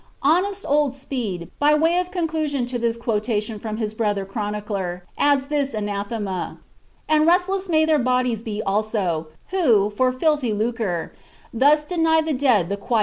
Honest old Speed, by way of conclusion to this quotation from his brother chronicler, adds this anathema :^ And restless may their bodies be alstt, who, Ux filthy lucre, thus deny the dead the quiet of their graves